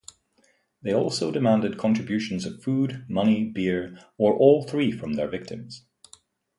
They also demanded contributions of food, money, beer, or all three from their victims.